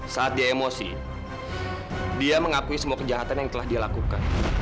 saat dia emosi dia mengakui semua kejahatan yang telah dia lakukan